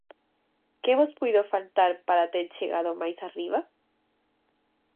Que vos puido faltar para ter chegado máis arriba?